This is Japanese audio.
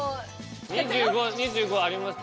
２５２５あります。